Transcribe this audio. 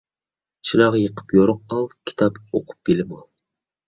چىراغ يېقىپ يورۇق ئال، كىتاب ئوقۇپ بىلىم ئال.